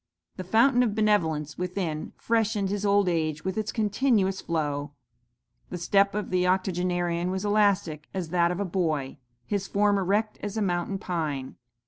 The fountain of benevolence within freshened his old age with its continuous flow. The step of the octogenarian was elastic as that of a boy, his form erect as a mountain pine.